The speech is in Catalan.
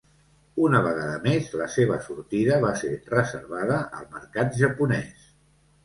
Una vegada més, la seva sortida va ser reservada al mercat japonès.